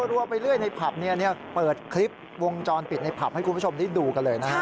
รัวไปเรื่อยในผัพเนี่ยเปิดคลิปวงจรปิดในผัพให้คุณผู้ชมดูกันเลยนะครับ